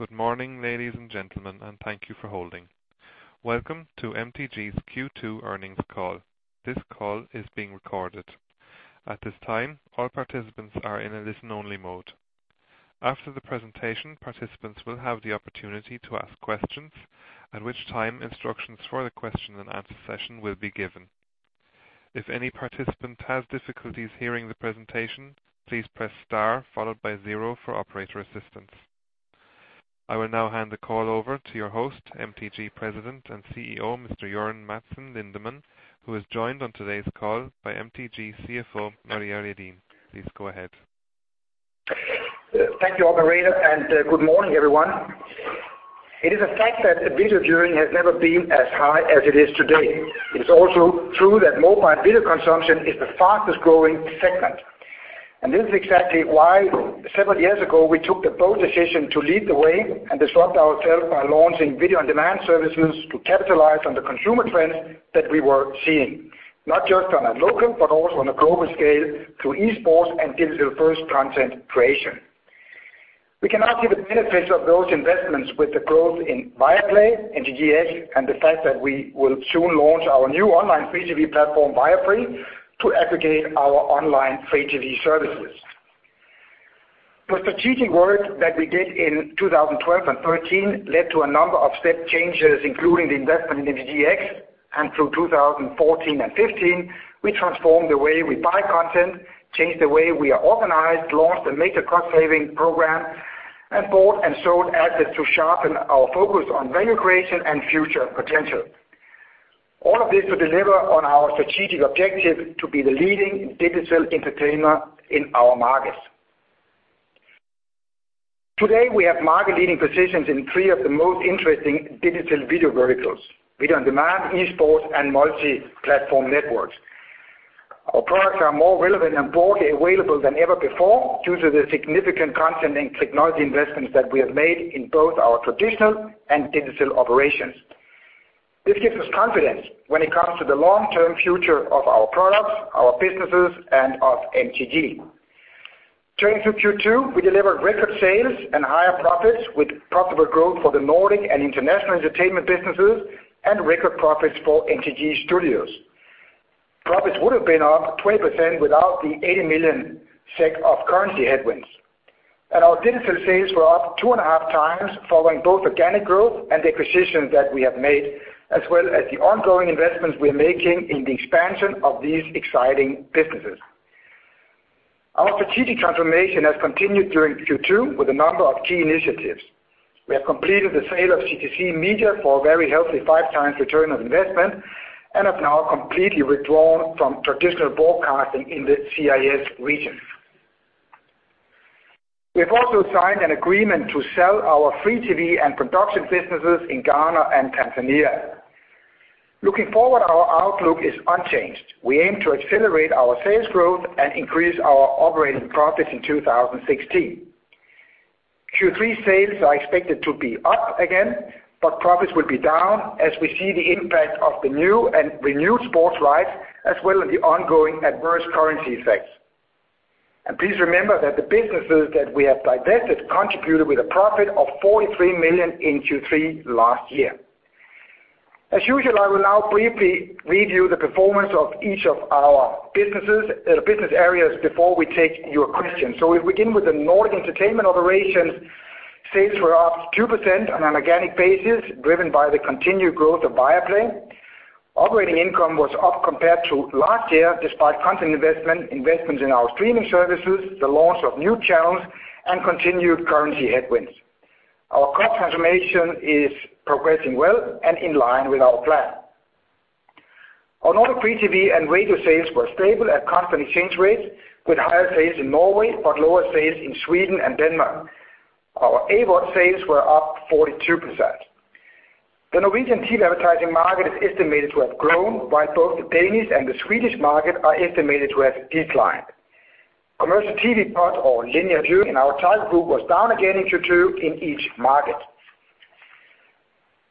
Good morning, ladies and gentlemen. Thank you for holding. Welcome to MTG's Q2 earnings call. This call is being recorded. At this time, all participants are in a listen-only mode. After the presentation, participants will have the opportunity to ask questions, at which time instructions for the question and answer session will be given. If any participant has difficulties hearing the presentation, please press star followed by zero for operator assistance. I will now hand the call over to your host, MTG President and CEO, Mr. Jørgen Madsen Lindemann, who is joined on today's call by MTG CFO, Maria Redin. Please go ahead. Thank you, operator. Good morning, everyone. It is a fact that video viewing has never been as high as it is today. It is also true that mobile video consumption is the fastest-growing segment. This is exactly why several years ago we took the bold decision to lead the way and disrupt ourselves by launching video-on-demand services to capitalize on the consumer trends that we were seeing, not just on a local, but also on a global scale through esports and digital-first content creation. We can now see the benefits of those investments with the growth in Viaplay, MTGx, and the fact that we will soon launch our new online free TV platform, Viafree, to aggregate our online free TV services. The strategic work that we did in 2012 and 2013 led to a number of step changes, including the investment in MTGx. Through 2014 and 2015, we transformed the way we buy content, changed the way we are organized, launched a major cost-saving program, and bought and sold assets to sharpen our focus on value creation and future potential. All of this to deliver on our strategic objective to be the leading digital entertainer in our markets. Today, we have market-leading positions in three of the most interesting digital video verticals, video-on-demand, esports, and multi-platform networks. Our products are more relevant and broadly available than ever before due to the significant content and technology investments that we have made in both our traditional and digital operations. This gives us confidence when it comes to the long-term future of our products, our businesses, and of MTG. Turning to Q2, we delivered record sales and higher profits with profitable growth for the Nordic and international entertainment businesses and record profits for MTG Studios. Profits would have been up 20% without the 80 million SEK of currency headwinds. Our digital sales were up two and a half times following both organic growth and the acquisitions that we have made, as well as the ongoing investments we're making in the expansion of these exciting businesses. Our strategic transformation has continued during Q2 with a number of key initiatives. We have completed the sale of CTC Media for a very healthy five times return on investment and have now completely withdrawn from traditional broadcasting in the CIS regions. We have also signed an agreement to sell our free TV and production businesses in Ghana and Tanzania. Looking forward, our outlook is unchanged. We aim to accelerate our sales growth and increase our operating profits in 2016. Q3 sales are expected to be up again, but profits will be down as we see the impact of the new and renewed sports rights as well as the ongoing adverse currency effects. Please remember that the businesses that we have divested contributed with a profit of 43 million in Q3 last year. As usual, I will now briefly review the performance of each of our business areas before we take your questions. We begin with the Nordic entertainment operations. Sales were up 2% on an organic basis, driven by the continued growth of Viaplay. Operating income was up compared to last year, despite content investment, investments in our streaming services, the launch of new channels, and continued currency headwinds. Our cost transformation is progressing well and in line with our plan. Our Nordic free TV and radio sales were stable at constant exchange rates, with higher sales in Norway but lower sales in Sweden and Denmark. Our AVOD sales were up 42%. The Norwegian TV advertising market is estimated to have grown, while both the Danish and the Swedish market are estimated to have declined. Commercial TV VOD or linear view in our target group was down again in Q2 in each market.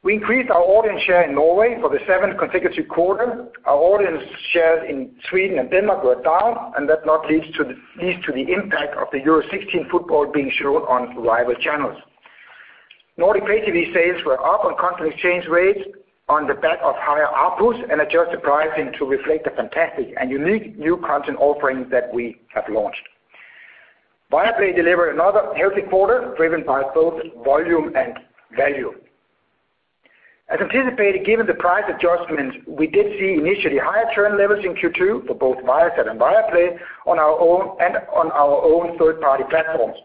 We increased our audience share in Norway for the seventh consecutive quarter. Our audience shares in Sweden and Denmark were down, that now leads to the impact of the Euro 16 football being shown on rival channels. Nordic free TV sales were up on constant exchange rates on the back of higher outputs and adjusted pricing to reflect the fantastic and unique new content offerings that we have launched. Viaplay delivered another healthy quarter driven by both volume and value. As anticipated, given the price adjustments, we did see initially higher churn levels in Q2 for both Viasat and Viaplay and on our own third-party platforms.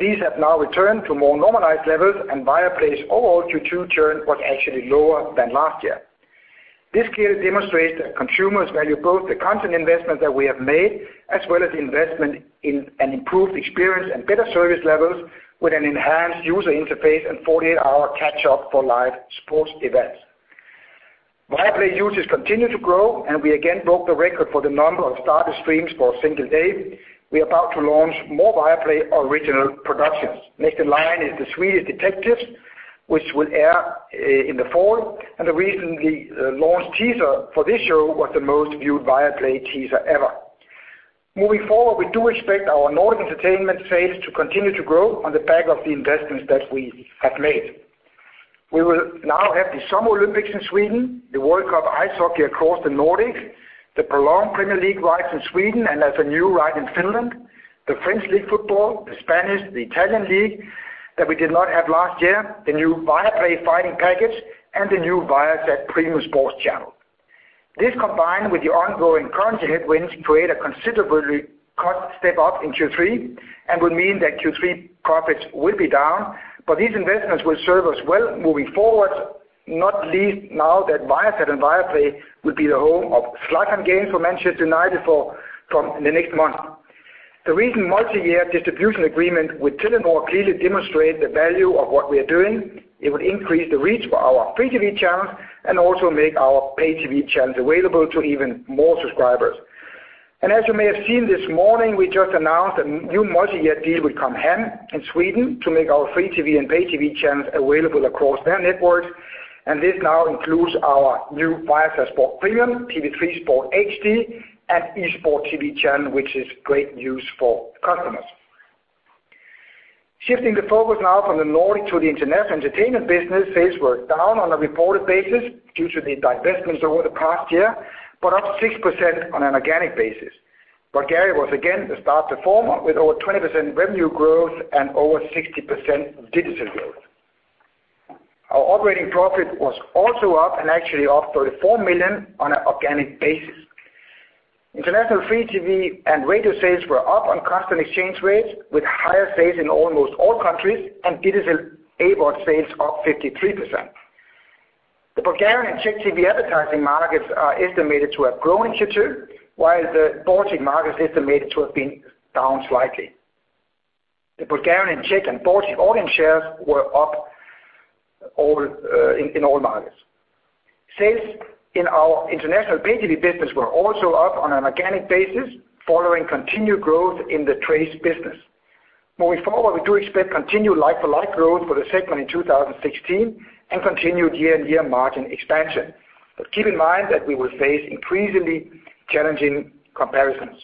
These have now returned to more normalized levels, and Viaplay's overall Q2 churn was actually lower than last year. This clearly demonstrates that consumers value both the content investment that we have made as well as the investment in an improved experience and better service levels with an enhanced user interface and 48-hour catch-up for live sports events. Viaplay users continue to grow, and we again broke the record for the number of started streams for a single day. We are about to launch more Viaplay original productions. Next in line is the Swedish Detectives which will air in the fall, the recently launched teaser for this show was the most viewed Viaplay teaser ever. Moving forward, we do expect our Nordic entertainment sales to continue to grow on the back of the investments that we have made. We will now have the Summer Olympics in Sweden, the World Cup of Hockey across the Nordics, the prolonged Premier League rights in Sweden, there's a new right in Finland, the French league football, the Spanish, the Italian league that we did not have last year, the new Viaplay Fighting package, and the new Viasat Sport Premium channel. This, combined with the ongoing currency headwinds, create a considerably cost step up in Q3 and will mean that Q3 profits will be down, but these investments will serve us well moving forward, not least now that Viasat and Viaplay will be the home of select games for Manchester United from the next month. The recent multi-year distribution agreement with Telenor clearly demonstrates the value of what we are doing. It will increase the reach for our free TV channels and also make our pay TV channels available to even more subscribers. As you may have seen this morning, we just announced a new multi-year deal with Com Hem in Sweden to make our free TV and pay TV channels available across their network, and this now includes our new Viasat Sport Premium, TV3 Sport HD, and eSportsTV channel, which is great news for customers. Shifting the focus now from the Nordic to the international entertainment business, sales were down on a reported basis due to the divestments over the past year, up 6% on an organic basis. Bulgaria was again the star performer, with over 20% revenue growth and over 60% digital growth. Our operating profit was also up and actually up 34 million on an organic basis. International free TV and radio sales were up on constant exchange rates, with higher sales in almost all countries and digital AVOD sales up 53%. The Bulgarian and Czech TV advertising markets are estimated to have grown in Q2, while the Baltic market is estimated to have been down slightly. The Bulgarian, Czech, and Baltic audience shares were up in all markets. Sales in our international pay TV business were also up on an organic basis, following continued growth in the trade business. Moving forward, we do expect continued like-for-like growth for the segment in 2016 and continued year-on-year margin expansion. Keep in mind that we will face increasingly challenging comparisons.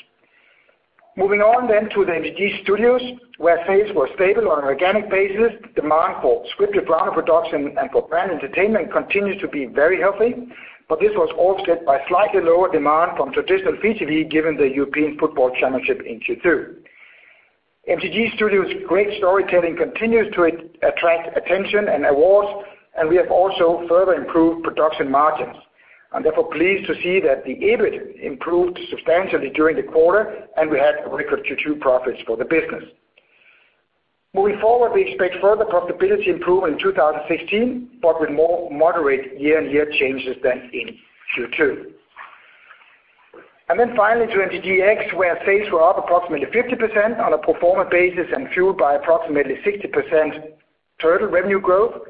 Moving on to the MTG Studios, where sales were stable on an organic basis. Demand for scripted drama production and for brand entertainment continues to be very healthy, but this was offset by slightly lower demand from traditional free TV given the European football championship in Q2. MTG Studios' great storytelling continues to attract attention and awards, and we have also further improved production margins. I'm therefore pleased to see that the EBIT improved substantially during the quarter, and we had record Q2 profits for the business. Moving forward, we expect further profitability improvement in 2016, but with more moderate year-on-year changes than in Q2. Finally to MTGx, where sales were up approximately 50% on a pro forma basis and fueled by approximately 60% total revenue growth.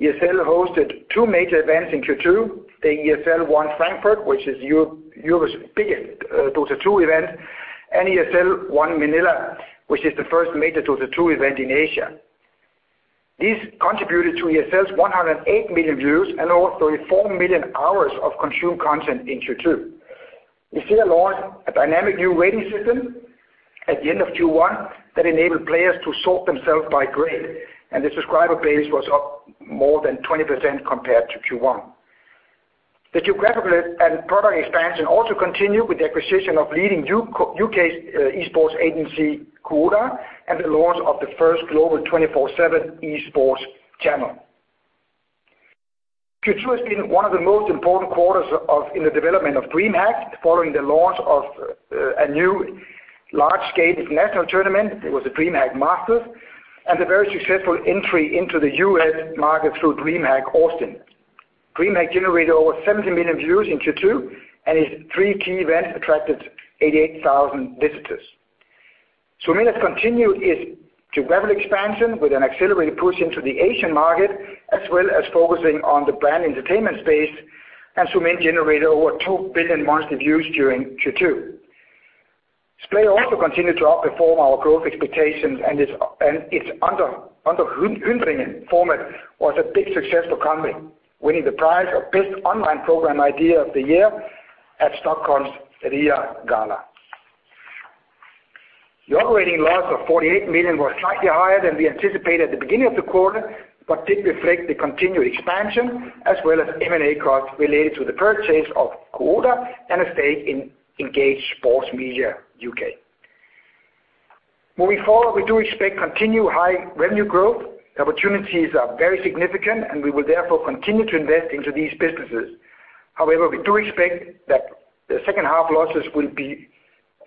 ESL hosted two major events in Q2, the ESL One Frankfurt, which is Europe's biggest Dota 2 event, and ESL One Manila, which is the first major Dota 2 event in Asia. These contributed to ESL's 108 million views and over 34 million hours of consumed content in Q2. ESL launched a dynamic new rating system at the end of Q1 that enabled players to sort themselves by grade, and the subscriber base was up more than 20% compared to Q1. The geographical and product expansion also continued with the acquisition of leading U.K. esports agency, Gfinity, and the launch of the first global 24/7 esports channel. Q2 has been one of the most important quarters in the development of DreamHack following the launch of a new large-scale international tournament, it was the DreamHack Masters, and a very successful entry into the U.S. market through DreamHack Austin. DreamHack generated over 70 million views in Q2, and its three key events attracted 88,000 visitors. Zoomin.TV has continued its geographical expansion with an accelerated push into the Asian market, as well as focusing on the brand entertainment space. Zoomin.TV generated over 2 billion monthly views during Q2. Splay also continued to outperform our growth expectations, and its Under Hundringen format was a big success for Comviq, winning the prize of best online program idea of the year at Stockholm's Riagalan. The operating loss of 48 million was slightly higher than we anticipated at the beginning of the quarter, did reflect the continued expansion as well as M&A costs related to the purchase of [Koda] and a stake in Engage Sports Media U.K. Moving forward, we do expect continued high revenue growth. The opportunities are very significant, we will therefore continue to invest into these businesses. However, we do expect that the second half losses will be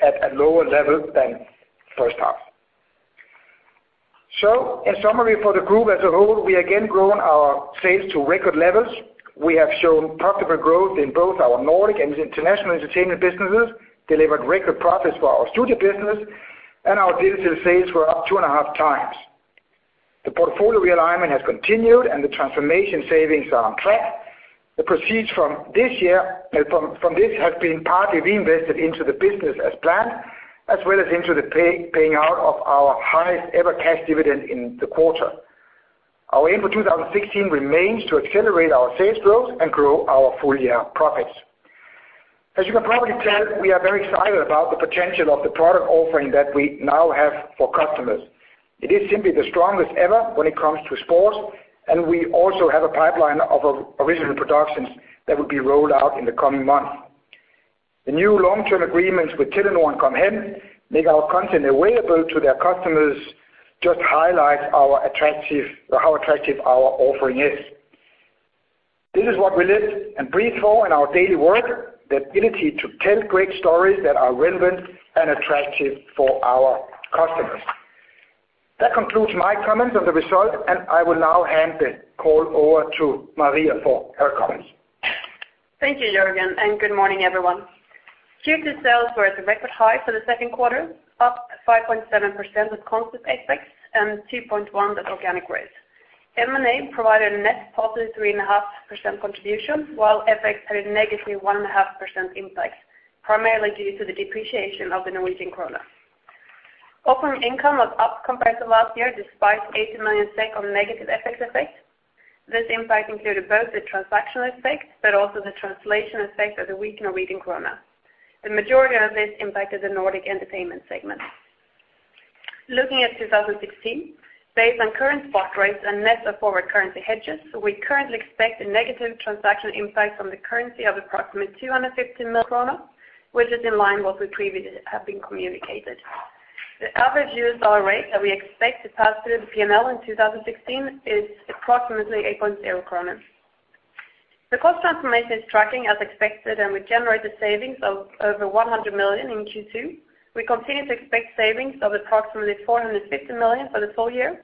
at a lower level than first half. In summary for the group as a whole, we again grown our sales to record levels. We have shown profitable growth in both our Nordic and international entertainment businesses, delivered record profits for our studio business, and our digital sales were up two and a half times. The portfolio realignment has continued and the transformation savings are on track. The proceeds from this has been partly reinvested into the business as planned, as well as into the paying out of our highest ever cash dividend in the quarter. Our aim for 2016 remains to accelerate our sales growth and grow our full year profits. As you can probably tell, we are very excited about the potential of the product offering that we now have for customers. It is simply the strongest ever when it comes to sports, we also have a pipeline of original productions that will be rolled out in the coming months. The new long-term agreements with Telenor and Com Hem make our content available to their customers, just highlights how attractive our offering is. This is what we live and breathe for in our daily work, the ability to tell great stories that are relevant and attractive for our customers. That concludes my comments on the results, I will now hand the call over to Maria for her comments. Thank you, Jørgen, good morning, everyone. Q2 sales were at a record high for the second quarter, up 5.7% with constant FX and 2.1% with organic growth. M&A provided a net positive 3.5% contribution while FX had a negative 1.5% impact, primarily due to the depreciation of the Norwegian kroner. Operating income was up compared to last year, despite 80 million of negative FX effects. This impact included both the transactional effect, but also the translation effect of the weakened Norwegian kroner. The majority of this impacted the Nordic entertainment segment. Looking at 2016, based on current spot rates and net of forward currency hedges, we currently expect a negative transaction impact from the currency of approximately 250 million krona, which is in line what we previously have been communicated. The average USD rate that we expect to pass through the P&L in 2016 is approximately 8.0 krona. The cost transformation is tracking as expected, we generated savings of over 100 million in Q2. We continue to expect savings of approximately 450 million for the full year.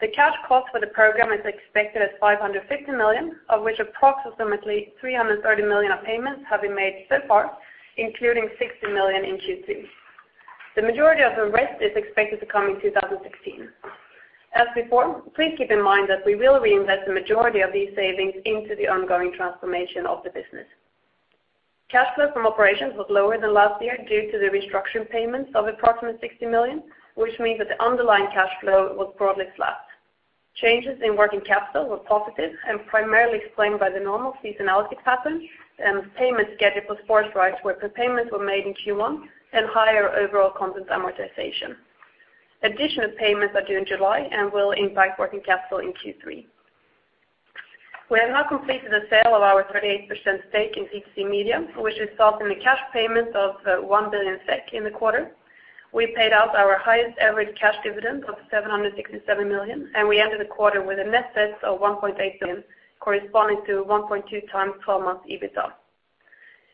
The cash cost for the program is expected at 550 million, of which approximately 330 million of payments have been made so far, including 60 million in Q2. The majority of the rest is expected to come in 2016. As before, please keep in mind that we will reinvest the majority of these savings into the ongoing transformation of the business. Cash flow from operations was lower than last year due to the restructuring payments of approximately 60 million, which means that the underlying cash flow was broadly flat. Changes in working capital were positive and primarily explained by the normal seasonality pattern and payment schedule for sports rights, where prepayments were made in Q1 and higher overall content amortization. Additional payments are due in July and will impact working capital in Q3. We have now completed the sale of our 38% stake in CTC Media, which resulted in a cash payment of 1 billion SEK in the quarter. We paid out our highest average cash dividend of 767 million, we ended the quarter with a net debt of 1.8 billion, corresponding to 1.2 times 12 months EBITDA.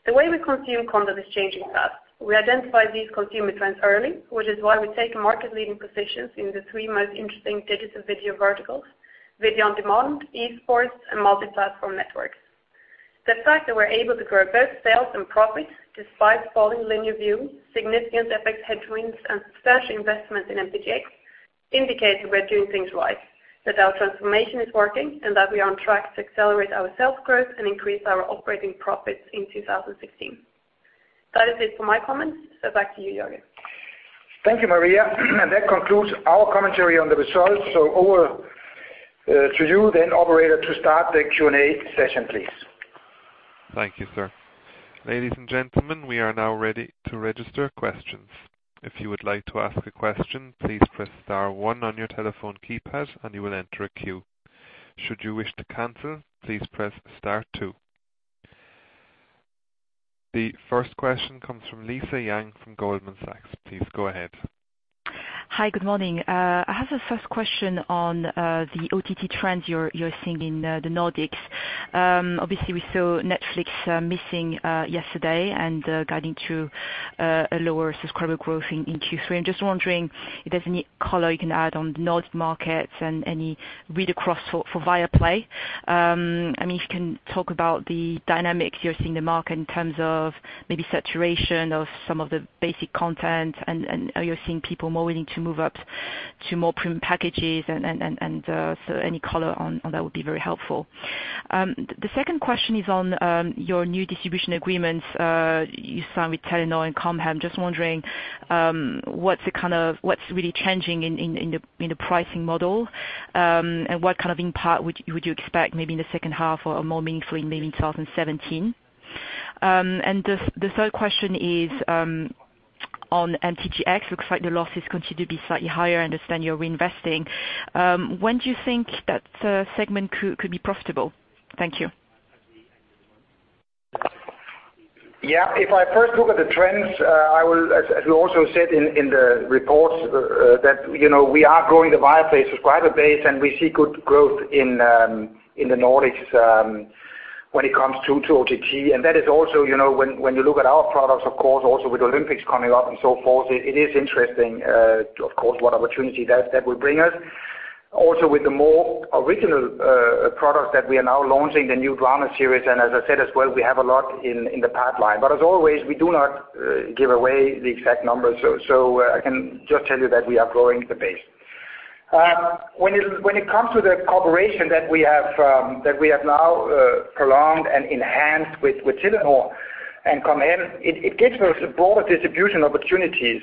The way we consume content is changing fast. We identify these consumer trends early, which is why we take market-leading positions in the three most interesting digital video verticals: video on demand, esports, and multi-platform networks. The fact that we're able to grow both sales and profits despite falling linear view, significant FX headwinds, and substantial investments in MTGx indicates we're doing things right, that our transformation is working, and that we are on track to accelerate our sales growth and increase our operating profits in 2016. That is it for my comments, back to you, Jørgen. Thank you, Maria. That concludes our commentary on the results. Over to you then, operator, to start the Q&A session, please. Thank you, sir. Ladies and gentlemen, we are now ready to register questions. If you would like to ask a question, please press star one on your telephone keypad and you will enter a queue. Should you wish to cancel, please press star two. The first question comes from Lisa Yang from Goldman Sachs. Please go ahead. Hi, good morning. I have a first question on the OTT trends you're seeing in the Nordics. Obviously, we saw Netflix missing yesterday and guiding to a lower subscriber growth in Q3. I'm just wondering if there's any color you can add on the Nordic markets and any read-across for Viaplay. If you can talk about the dynamics you're seeing in the market in terms of maybe saturation of some of the basic content, and are you seeing people more willing to move up to more premium packages? Any color on that would be very helpful. The second question is on your new distribution agreements you signed with Telenor and Com Hem. Just wondering what's really changing in the pricing model, and what kind of impact would you expect maybe in the second half or more meaningfully maybe in 2017? The third question is on MTGx. Looks like the losses continue to be slightly higher. I understand you're reinvesting. When do you think that segment could be profitable? Thank you. Yeah. If I first look at the trends, as we also said in the report, that we are growing the Viaplay subscriber base, and we see good growth in the Nordics when it comes to OTT. That is also when you look at our products, of course, also with Olympics coming up and so forth, it is interesting, of course, what opportunity that will bring us. Also with the more original products that we are now launching, the new drama series, and as I said as well, we have a lot in the pipeline. As always, we do not give away the exact numbers. I can just tell you that we are growing the base. When it comes to the cooperation that we have now prolonged and enhanced with Telenor and Com Hem, it gives us broader distribution opportunities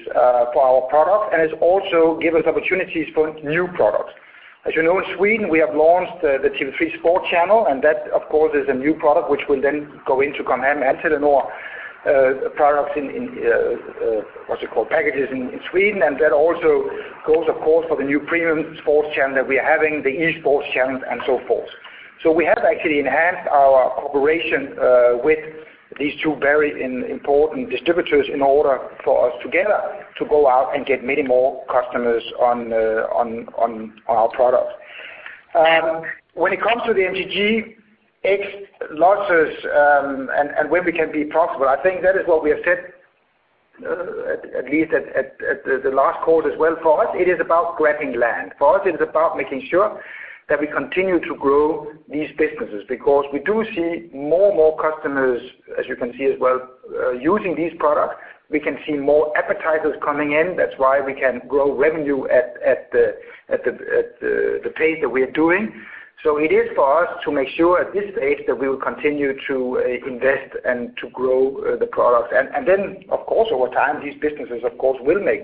for our product, and it also gives us opportunities for new products. As you know, in Sweden, we have launched the TV3 Sport channel, and that, of course, is a new product which will then go into Com Hem and Telenor products in packages in Sweden. That also goes, of course, for the new premium sports channel that we are having, the esports channels, and so forth. We have actually enhanced our cooperation with these two very important distributors in order for us together to go out and get many more customers on our products. When it comes to the MTGx losses and when we can be profitable, I think that is what we have said, at least at the last call as well. For us, it is about grabbing land. For us, it is about making sure that we continue to grow these businesses because we do see more and more customers, as you can see as well, using these products. We can see more advertisers coming in. That's why we can grow revenue at the pace that we are doing. It is for us to make sure at this stage that we will continue to invest and to grow the product. Then, of course, over time, these businesses, of course, will make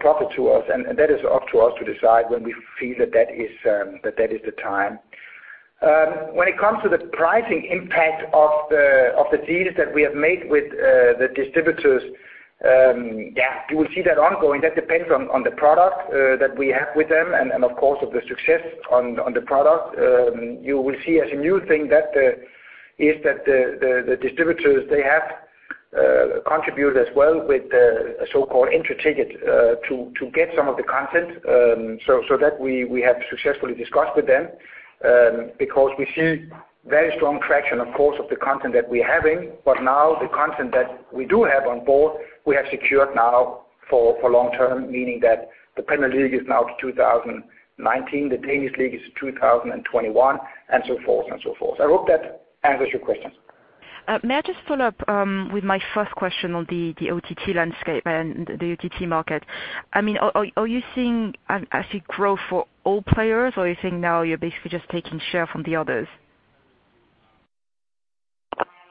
profit to us, and that is up to us to decide when we feel that is the time. When it comes to the pricing impact of the deals that we have made with the distributors, you will see that ongoing. That depends on the product that we have with them and, of course, of the success on the product. You will see as a new thing that the distributors have contributed as well with a so-called inter ticket to get some of the content. That we have successfully discussed with them because we see very strong traction, of course, of the content that we are having. Now the content that we do have on board, we have secured now for long term, meaning that the Premier League is now to 2019, the Danish League is to 2021, and so forth. I hope that answers your question. May I just follow up with my first question on the OTT landscape and the OTT market? Are you seeing an actual growth for all players, or are you seeing now you're basically just taking share from the others?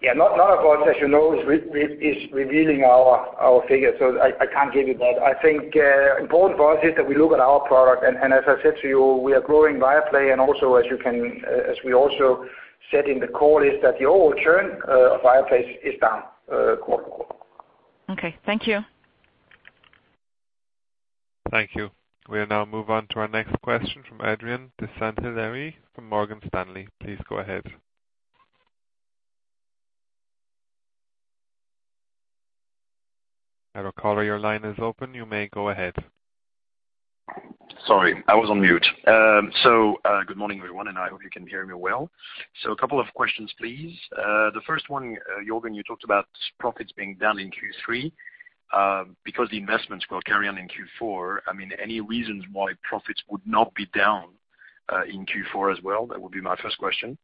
Yeah. None of us, as you know, is revealing our figures, I can't give you that. I think important for us is that we look at our product, as I said to you, we are growing Viaplay and also as we also said in the call, is that the overall churn of Viaplay is down quarter-over-quarter. Okay. Thank you. Thank you. We'll now move on to our next question from Adrien de Saint Hilaire from Morgan Stanley. Please go ahead. Adrien, call if your line is open. You may go ahead. Sorry, I was on mute. Good morning, everyone, and I hope you can hear me well. A couple of questions, please. The first one, Jørgen, you talked about profits being down in Q3 because the investments will carry on in Q4. Any reasons why profits would not be down in Q4 as well? That would be my first question.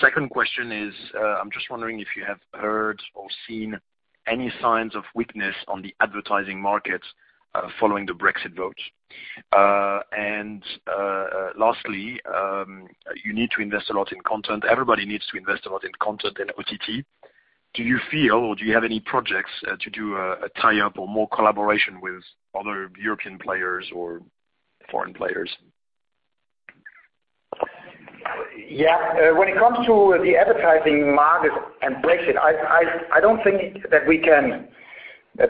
Second question is, I'm just wondering if you have heard or seen any signs of weakness on the advertising market following the Brexit vote. Lastly, you need to invest a lot in content. Everybody needs to invest a lot in content and OTT. Do you feel or do you have any projects to do a tie-up or more collaboration with other European players or foreign players? Yeah. When it comes to the advertising market and Brexit, I don't think that we can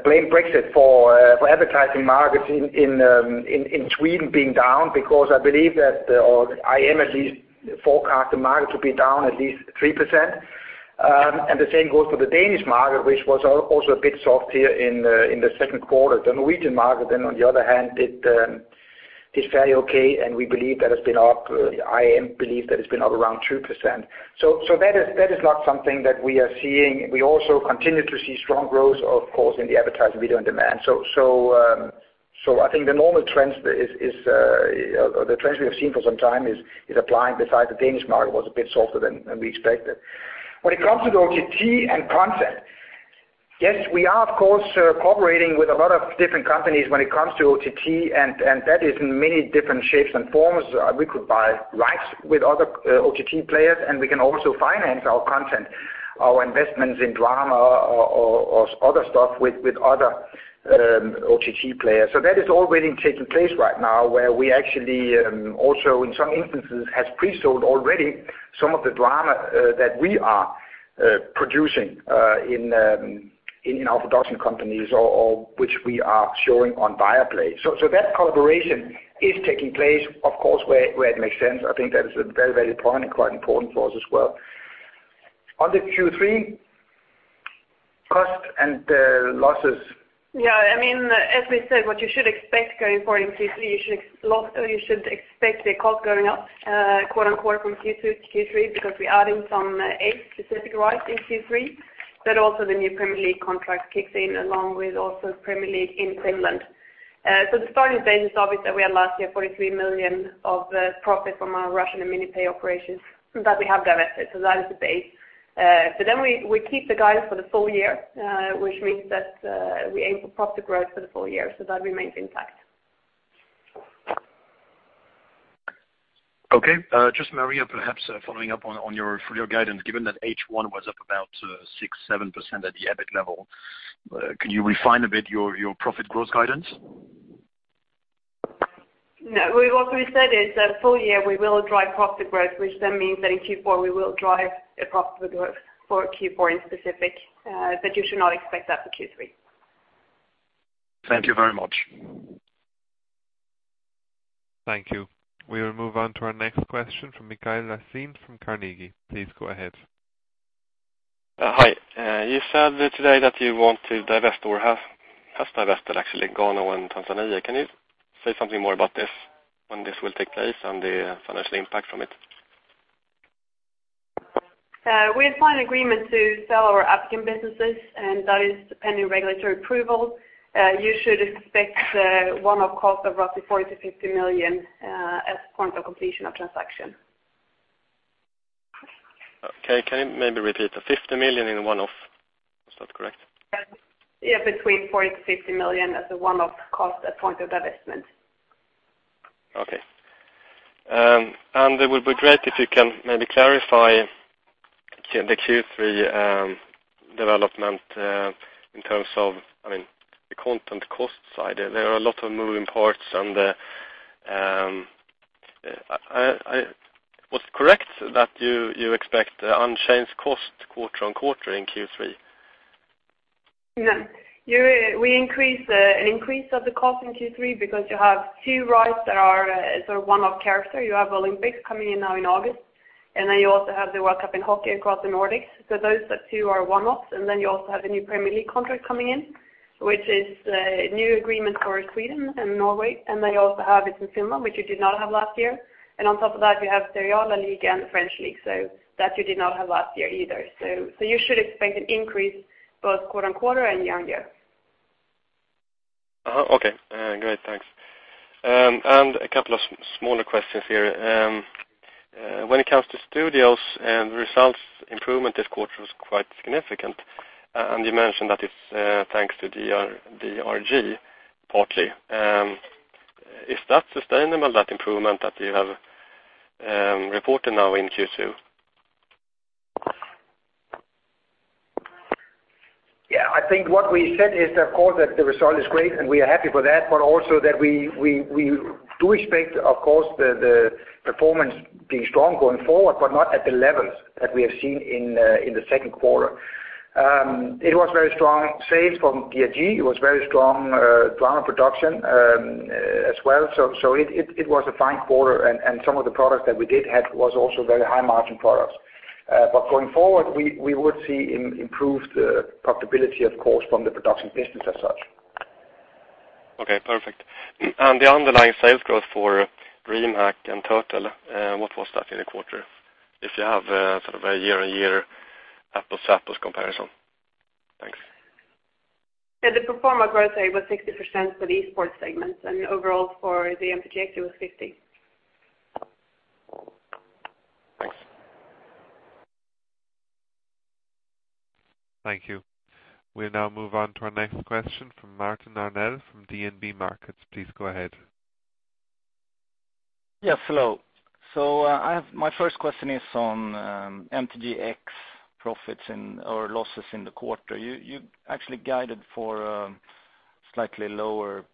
blame Brexit for advertising markets in Sweden being down because I believe that, or I am at least forecasting the market to be down at least 3%. The same goes for the Danish market, which was also a bit soft here in the second quarter. The Norwegian market, on the other hand, did fairly okay, and I believe that it's been up around 2%. That is not something that we are seeing. We also continue to see strong growth, of course, in the AVOD. I think the normal trends we have seen for some time is applying besides the Danish market was a bit softer than we expected. When it comes to the OTT and content, yes, we are, of course, cooperating with a lot of different companies when it comes to OTT, that is in many different shapes and forms. We could buy rights with other OTT players, we can also finance our content, our investments in drama or other stuff with other OTT players. That is already taking place right now, where we actually also in some instances have pre-sold already some of the drama that we are producing in our production companies or which we are showing on Viaplay. That collaboration is taking place, of course, where it makes sense. I think that is very important and quite important for us as well. On the Q3 cost and losses. Yeah. As we said, what you should expect going forward in Q3, you should expect the cost going up quarter on quarter from Q2 to Q3 because we are adding some A specific rights in Q3. Also the new Premier League contract kicks in along with also Premier League in Finland. The starting point is obvious that we had last year 43 million of profit from our Russian CTC Media operations that we have divested, that is the base. We keep the guidance for the full year, which means that we aim for profit growth for the full year, that remains intact. Okay. Just Maria, perhaps following up on your full-year guidance, given that H1 was up about 6%, 7% at the EBIT level, can you refine a bit your profit growth guidance? No. What we said is that full-year, we will drive profit growth, which then means that in Q4 we will drive a profit growth for Q4 in specific, but you should not expect that for Q3. Thank you very much. Thank you. We will move on to our next question from Mikael Laséen from Carnegie. Please go ahead. Hi. You said today that you want to divest or have divested actually Ghana and Tanzania. Can you say something more about this, when this will take place and the financial impact from it? We have signed an agreement to sell our African businesses. That is pending regulatory approval. You should expect one of cost of roughly 40 million-50 million as point of completion of transaction. Okay. Can you maybe repeat? 50 million in one-off, is that correct? Yes. Between 40 million-50 million as a one-off cost at point of divestment. Okay. It would be great if you can maybe clarify the Q3 development in terms of the content cost side. There are a lot of moving parts and was it correct that you expect unchanged cost quarter-on-quarter in Q3? No. We increase the cost in Q3 because you have two rights that are of one-off character. You have Olympics coming in now in August. You also have the World Cup of Hockey across the Nordics. Those two are one-offs. You also have the new Premier League contract coming in, which is a new agreement for Sweden and Norway. You also have it in Finland, which you did not have last year. On top of that, you have the Serie A league and the French league. That you did not have last year either. You should expect an increase both quarter-on-quarter and year-on-year. Okay. Great. Thanks. A couple of smaller questions here. When it comes to studios and results, improvement this quarter was quite significant. You mentioned that it's thanks to DRG partly. Is that sustainable, that improvement that you have reported now in Q2? Yeah, I think what we said is, of course, that the result is great, and we are happy for that, but also that we do expect, of course, the performance being strong going forward, but not at the levels that we have seen in the second quarter. It was very strong sales from DRG. It was very strong drama production as well. It was a fine quarter, and some of the products that we did have was also very high-margin products. Going forward, we would see improved profitability, of course, from the production business as such. Okay, perfect. The underlying sales growth for Greenlight in total, what was that in the quarter? If you have sort of a year-on-year apples-to-apples comparison. Thanks. The pro forma growth rate was 60% for the esports segment, and overall for the MTGx, it was 50%. Thanks. Thank you. We'll now move on to our next question from Martin Arnell from DNB Markets. Please go ahead. Yes, hello. My first question is on MTGx profits or losses in the quarter. You actually guided for slightly lower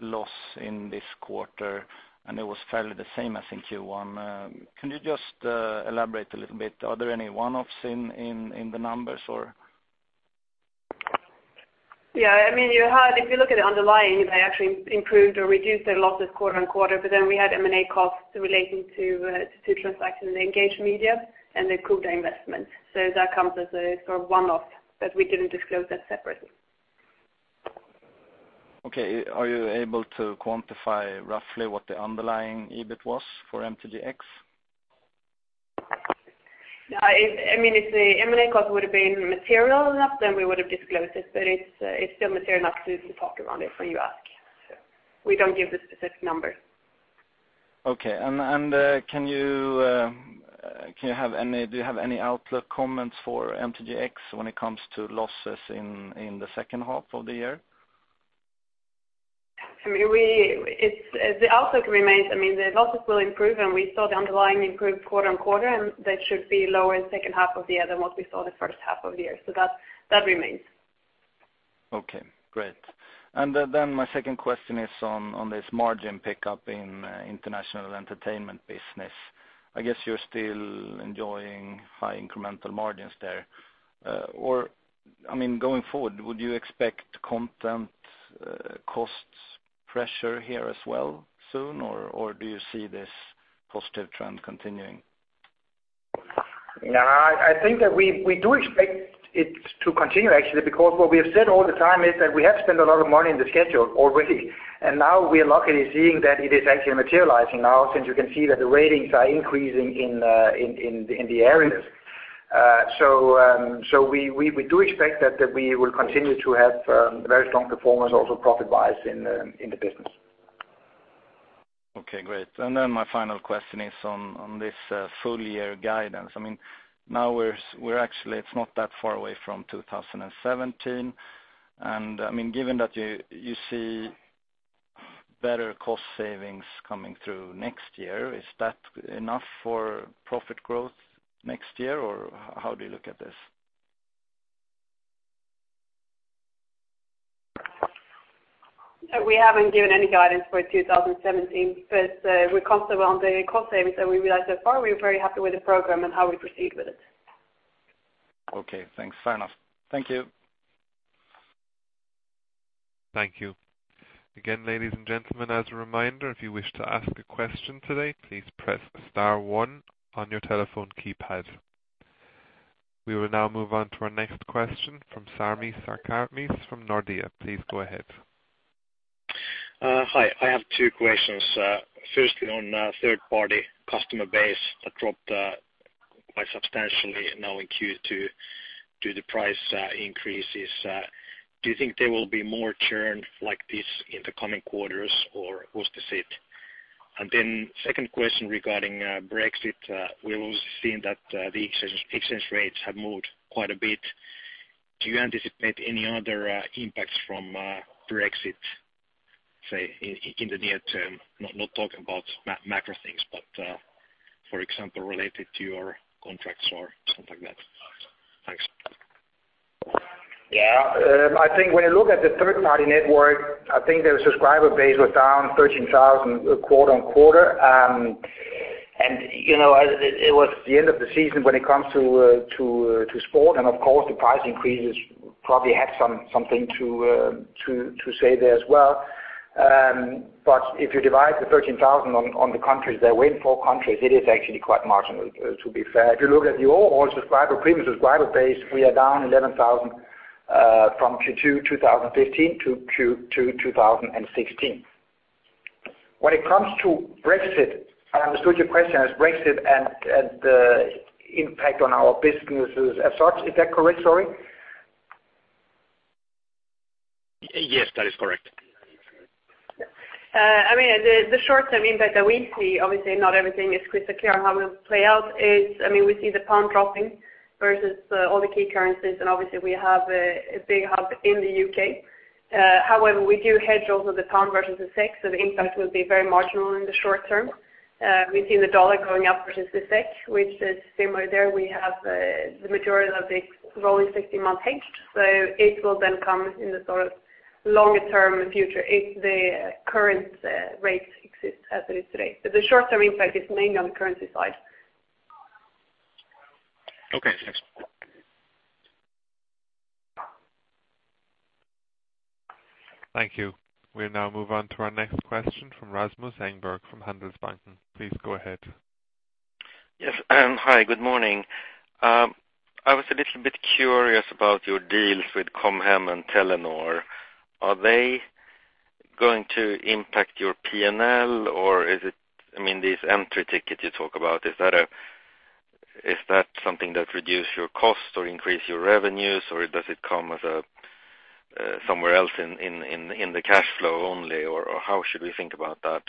loss in this quarter, and it was fairly the same as in Q1. Can you just elaborate a little bit? Are there any one-offs in the numbers or? If you look at the underlying, they actually improved or reduced their losses quarter on quarter. We had M&A costs relating to two transactions, the Engage Sports Media and the [Koda] investment. That comes as a sort of one-off, but we didn't disclose that separately. Are you able to quantify roughly what the underlying EBIT was for MTGx? I mean, if the M&A cost would have been material enough, then we would have disclosed it. It's still material enough to talk around it when you ask. We don't give the specific numbers. Do you have any outlook comments for MTGx when it comes to losses in the second half of the year? The outlook remains, the losses will improve. We saw the underlying improve quarter-on-quarter. That should be lower in the second half of the year than what we saw the first half of the year. That remains. Okay, great. My second question is on this margin pickup in international entertainment business. I guess you're still enjoying high incremental margins there. Going forward, would you expect content costs pressure here as well soon? Do you see this positive trend continuing? I think that we do expect it to continue, actually, because what we have said all the time is that we have spent a lot of money in the schedule already. Now we are luckily seeing that it is actually materializing now since you can see that the ratings are increasing in the areas. We do expect that we will continue to have a very strong performance also profit-wise in the business. Okay, great. My final question is on this full-year guidance. Now it's not that far away from 2017. Given that you see better cost savings coming through next year, is that enough for profit growth next year, or how do you look at this? We haven't given any guidance for 2017, we're comfortable on the cost savings that we realize so far. We're very happy with the program and how we proceed with it. Okay, thanks. Fair enough. Thank you. Thank you. Ladies and gentlemen, as a reminder, if you wish to ask a question today, please press star one on your telephone keypad. We will now move on to our next question from Sami Sarkamies from Nordea. Please go ahead. Hi. I have two questions. Firstly, on third-party customer base that dropped quite substantially now in Q2. Do the price increases, do you think there will be more churn like this in the coming quarters, or was this it? Second question regarding Brexit. We've seen that the exchange rates have moved quite a bit. Do you anticipate any other impacts from Brexit, say, in the near term? Not talking about macro things, but for example, related to your contracts or something like that. Thanks. Yeah. I think when you look at the third-party network, I think their subscriber base was down 13,000 quarter-on-quarter. It was the end of the season when it comes to sport and of course the price increases probably had something to say there as well. If you divide the 13,000 on the countries there, waiting for countries, it is actually quite marginal, to be fair. If you look at the overall premium subscriber base, we are down 11,000 from Q2 2015 to Q2 2016. When it comes to Brexit, I understood your question as Brexit and the impact on our businesses as such. Is that correct, sorry? Yes, that is correct. The short-term impact that we see, obviously not everything is crystal clear on how it will play out is, we see the pound dropping versus all the key currencies, and obviously we have a big hub in the U.K. However, we do hedge also the pound versus the SEK, so the impact will be very marginal in the short-term. We've seen the U.S. dollar going up versus the SEK, which is similar there. We have the majority of the rolling 60-month hedged. It will then come in the sort of longer-term future if the current rate exists as it is today. The short-term impact is mainly on the currency side. Okay, thanks. Thank you. We'll now move on to our next question from Rasmus Engberg from Handelsbanken. Please go ahead. Yes. Hi, good morning. I was a little bit curious about your deals with Com Hem and Telenor. Are they going to impact your P&L or is it, these entry tickets you talk about, is that something that reduce your cost or increase your revenues, or does it come as somewhere else in the cash flow only, or how should we think about that?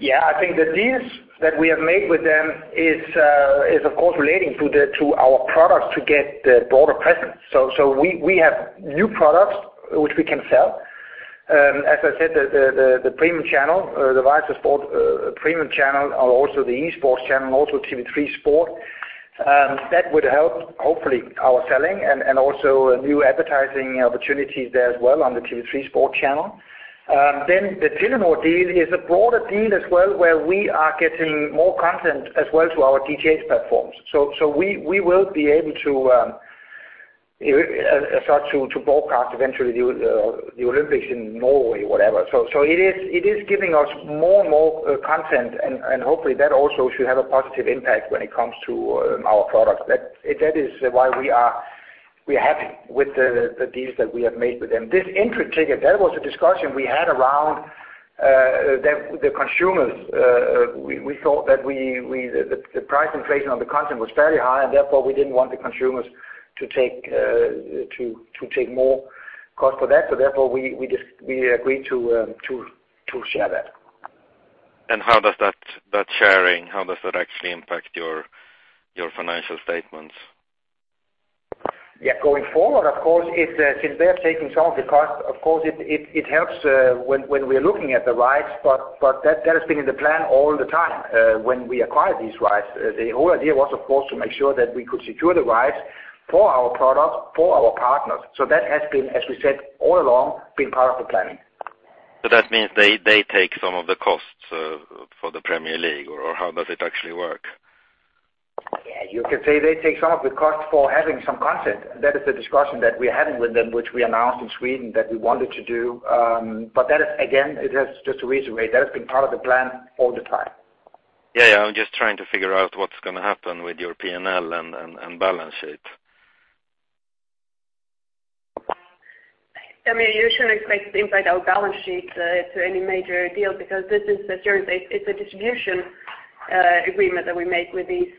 Yeah, I think the deals that we have made with them is of course relating to our products to get the broader presence. We have new products which we can sell. As I said, the premium channel, the Viasat Sport Premium channel and also the esports channel, also TV3 Sport, that would help, hopefully, our selling and also new advertising opportunities there as well on the TV3 Sport channel. The Telenor deal is a broader deal as well, where we are getting more content as well to our digital platforms. We will be able to start to broadcast eventually the Olympics in Norway, whatever. It is giving us more content and hopefully that also should have a positive impact when it comes to our products. That is why we are happy with the deals that we have made with them. This entry ticket, that was a discussion we had around the consumers. We thought that the price inflation on the content was fairly high. Therefore we didn't want the consumers to take more cost for that. Therefore we agreed to share that. How does that sharing, how does that actually impact your financial statements? Going forward, of course, since they're taking some of the cost, of course it helps when we're looking at the rights, that has been in the plan all the time. When we acquired these rights, the whole idea was, of course, to make sure that we could secure the rights for our product, for our partners. That has been, as we said all along, been part of the planning. That means they take some of the costs for the Premier League, or how does it actually work? You could say they take some of the cost for having some content. That is the discussion that we're having with them, which we announced in Sweden that we wanted to do. That is, again, it has just to reiterate, that has been part of the plan all the time. Yeah. I'm just trying to figure out what's going to happen with your P&L and balance sheet. You shouldn't expect it to impact our balance sheet to any major deal because this is a service, it's a distribution agreement that we make with these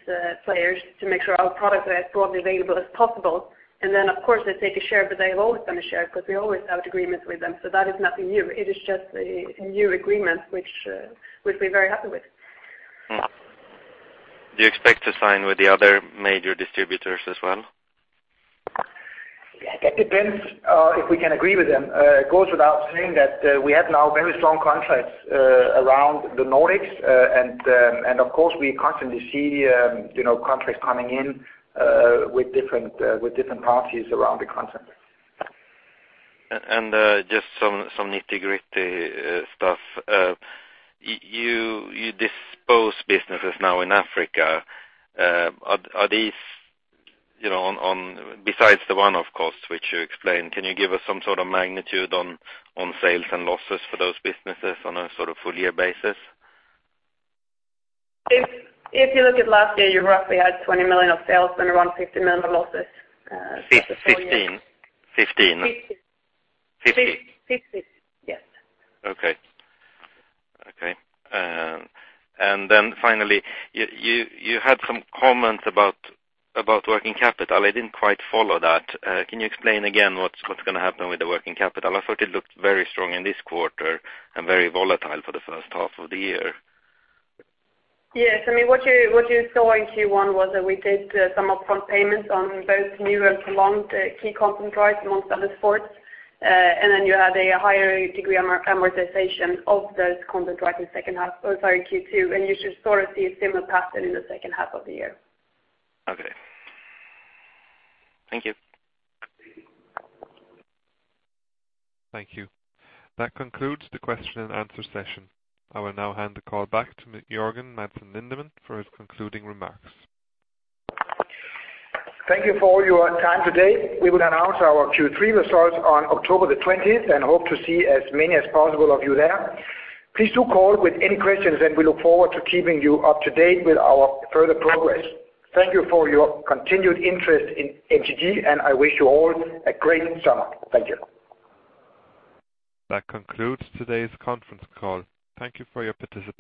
players to make sure our products are as broadly available as possible. Of course they take a share, but they've always taken a share because we always have agreements with them. That is nothing new. It is just a new agreement which we're very happy with. Do you expect to sign with the other major distributors as well? That depends if we can agree with them. It goes without saying that we have now very strong contracts around the Nordics, and of course, we constantly see contracts coming in with different parties around the continent. Just some nitty-gritty stuff. You dispose businesses now in Africa. Besides the one-off costs, which you explained, can you give us some sort of magnitude on sales and losses for those businesses on a full year basis? If you look at last year, you roughly had 20 million of sales and around 50 million of losses. 15? 50. 50? 50. Yes. Okay. Finally, you had some comments about working capital. I didn't quite follow that. Can you explain again what's going to happen with the working capital? I thought it looked very strong in this quarter and very volatile for the first half of the year. Yes. What you saw in Q1 was that we did some upfront payments on both new and prolonged key content rights amongst other sports. You had a higher degree amortization of those content rights in Q2. You should sort of see a similar pattern in the second half of the year. Okay. Thank you. Thank you. That concludes the question and answer session. I will now hand the call back to Jørgen Madsen Lindemann for his concluding remarks. Thank you for your time today. We will announce our Q3 results on October the 20th and hope to see as many as possible of you there. Please do call with any questions. We look forward to keeping you up to date with our further progress. Thank you for your continued interest in MTG. I wish you all a great summer. Thank you. That concludes today's conference call. Thank you for your participation.